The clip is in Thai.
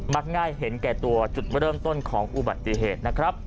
ง่ายเห็นแก่ตัวจุดเริ่มต้นของอุบัติเหตุนะครับ